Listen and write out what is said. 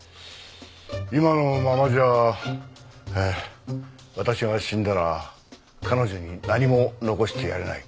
今のままじゃ私が死んだら彼女に何も残してやれない。